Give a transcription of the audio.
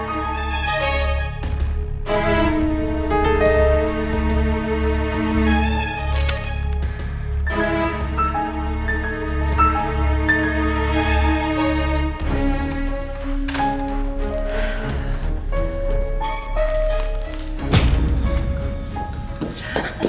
aku benar benar ingat